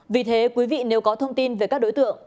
vì thế quý vị nếu có thông tin về các đối tượng